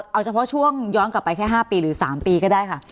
เอาเฉพาะช่วงย้อนกลับไปแค่๕ปีหรือ๓ปีก็ได้ค่ะ